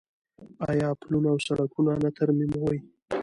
آیا پلونه او سړکونه نه ترمیموي؟